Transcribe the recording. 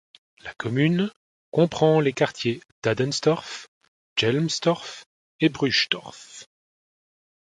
La commune comprend les quartiers d'Addenstorf, Jelmstorf et Bruchtorf.